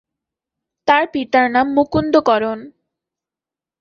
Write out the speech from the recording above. তার পিতার নাম মুকুন্দ করণ।